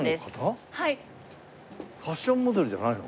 ファッションモデルじゃないの？